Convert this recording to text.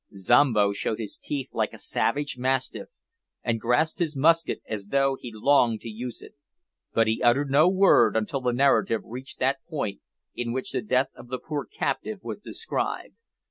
Zombo showed his teeth like a savage mastiff, and grasped his musket as though he longed to use it, but he uttered no word until the narrative reached that point in which the death of the poor captive was described.